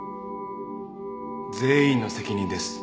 全員の責任です。